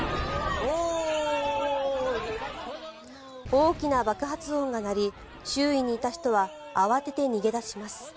大きな爆発音が鳴り周囲にいた人は慌てて逃げ出します。